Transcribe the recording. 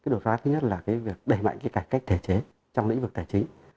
đột phá thứ nhất là việc đẩy mạnh cái cải cách thể chế trong lĩnh vực tài chính